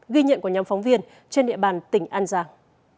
ghi nhận của nhóm phóng viên trên địa bàn tỉnh an giang